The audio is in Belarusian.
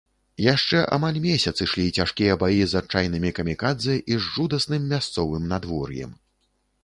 Яшчэ амаль месяц ішлі цяжкія баі з адчайнымі камікадзэ і з жудасным мясцовым надвор'ем.